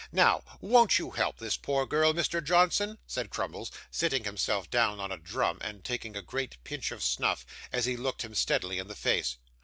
Now, won't you help this poor girl, Mr. Johnson?' said Crummles, sitting himself down on a drum, and taking a great pinch of snuff, as he looked him steadily in the face.